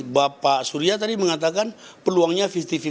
bapak surya tadi mengatakan peluangnya lima puluh lima puluh